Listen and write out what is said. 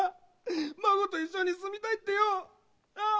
孫と一緒に住みたいってよ！なあ？